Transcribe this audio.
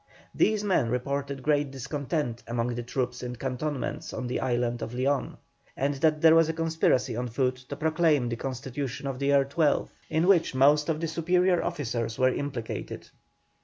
These men reported great discontent among the troops in cantonments on the island of Leon, and that there was a conspiracy on foot to proclaim the Constitution of the year XII., in which most of the superior officers were implicated.